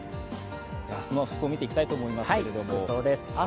明日の服装を見ていきたいと思いますけども。